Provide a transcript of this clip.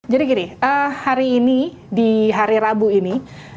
gini hari ini di hari rabu ini